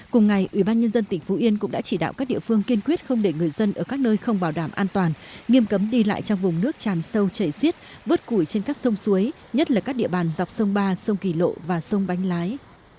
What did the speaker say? cùng ngày ubnd tỉnh phú yên cũng đã chỉ đạo các địa phương kiên quyết không để người dân ở các nơi không bảo đảm an toàn nghiêm cấm đi lại trong vùng nước tràn sâu chảy xiết bớt củi trên các sông suối nhất là các địa bàn dọc sông ba sông kỳ lộ và sông bánh lái